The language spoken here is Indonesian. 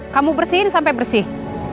kamu bersihin sampai bersih